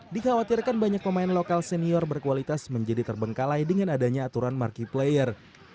dikhawatirkan banyak pemain lokal senior berkualitas menjadi terbengkalai dengan adanya aturan marquee player